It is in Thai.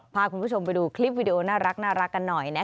พาคุณผู้ชมไปดูคลิปวิดีโอน่ารักกันหน่อย